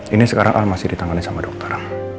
ini sekarang masih ditangani sama dokter